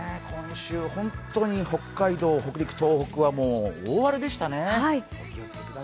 今週、本当に、北海道、北陸、東北は大荒れでしたね。